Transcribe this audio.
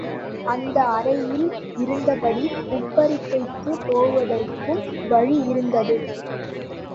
அந்த அறையில் இருந்தபடி உப்பரிகைக்குப் போவதற்கும் வழியிருந்தது.